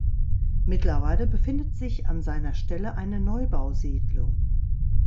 Mittlerweile befindet sich an seiner Stelle eine Neubausiedlung.